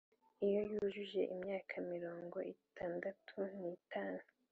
iyo yujuje imyaka mirongo itandatu n’itanu